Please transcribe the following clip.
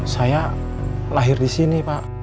saya lahir di sini pak